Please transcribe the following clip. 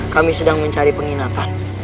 kami sedang mencari penginapan